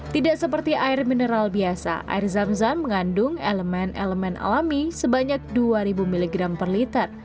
tidak seperti air mineral biasa air zam zam mengandung elemen elemen alami sebanyak dua ribu mg per liter